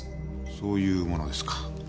そういうものですか。